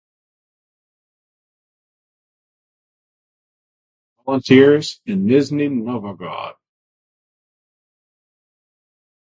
Environmental conservation is a growing focus for volunteers in Nizhny Novgorod.